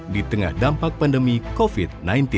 di tengah dampak pandemi covid sembilan belas